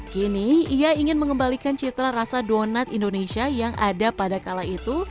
kini ia ingin mengembalikan citra rasa donat indonesia yang ada pada kala itu